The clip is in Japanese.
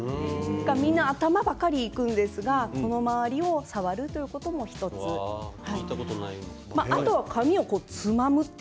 みんな頭ばかりいくんですがこの周りを触るということも１つ怖いな。